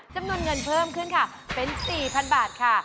จำนวนเงินเพิ่มขึ้นค่ะเป็น๔๐๐๐บาทค่ะ